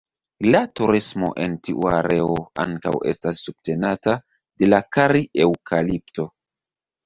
La turismo en tiu areo ankaŭ estas subtenata de la kari-eŭkalipto.